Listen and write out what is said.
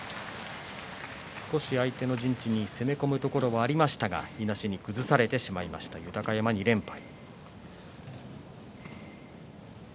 少し相手の陣地に攻め込むところもありましたが、いなしに崩されてしまいました豊山２連敗。